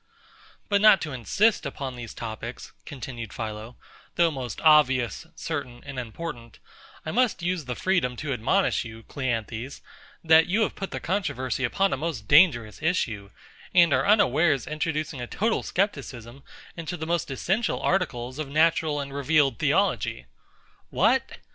But not to insist upon these topics, continued PHILO, though most obvious, certain, and important; I must use the freedom to admonish you, CLEANTHES, that you have put the controversy upon a most dangerous issue, and are unawares introducing a total scepticism into the most essential articles of natural and revealed theology. What!